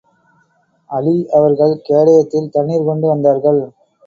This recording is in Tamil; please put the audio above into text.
அலீ அவர்கள் கேடயத்தில் தண்ணீர் கொண்டு வந்தார்கள்.